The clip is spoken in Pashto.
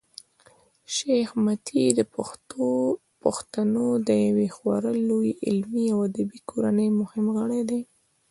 شېخ متي د پښتنو د یوې خورا لويي علمي او ادبي کورنۍمهم غړی دﺉ.